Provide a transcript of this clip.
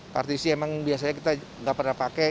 partisi memang biasanya kita tidak pernah pakai